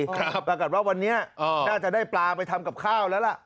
ปรากฏว่าวันนี้น่าจะได้ปลาไปทำกับข้าวแล้วล่ะ